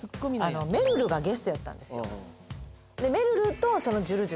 めるるがゲストやったんですよ